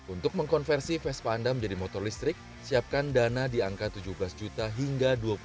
untuk mengkonversi vespa anda menjadi motor listrik siapkan dana di angka tujuh belas juta hingga dua puluh